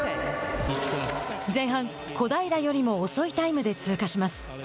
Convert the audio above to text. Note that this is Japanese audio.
前半、小平よりも遅いタイムで通過します。